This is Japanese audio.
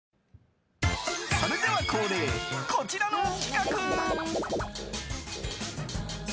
それでは恒例、こちらの企画。